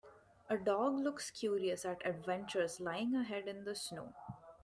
A dog looks curious at adventures lying ahead in the snow.